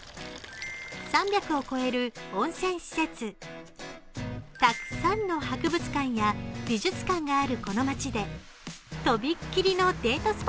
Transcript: ３００を超える温泉施設、たくさんの博物館や美術館があるこの街でとびっきりのデート